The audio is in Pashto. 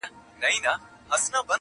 په خپل لاس مي دا تقدیر جوړ کړ ته نه وې؛